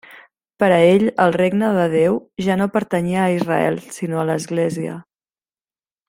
Per a ell el Regne de Déu ja no pertanyia a Israel sinó a l'Església.